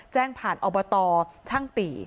แจ้งผ่านอบตช่างปี่